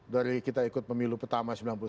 dari kita ikut pemilu pertama sembilan puluh sembilan